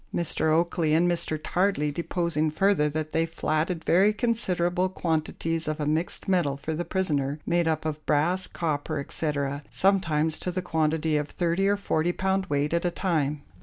Mr. Oakley and Mr. Tardley deposing further, that they flatted very considerable quantities of a mixed metal for the prisoner, made up of brass, copper, etc., sometimes to the quantity of 30 or 40 pound weight at a time.